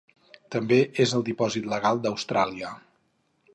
També és el dipòsit legal d'Austràlia.